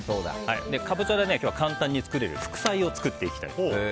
カボチャで今日は簡単に作れる副菜を作っていきます。